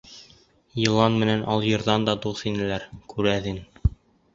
Йылан менән алйырҙан да дуҫ инеләр, күрәҙең.